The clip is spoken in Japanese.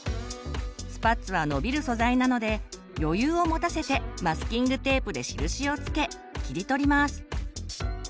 スパッツはのびる素材なので余裕を持たせてマスキングテープで印を付け切り取ります。